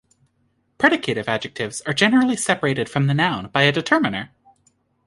Predicative adjectives are generally separated from the noun by a determiner.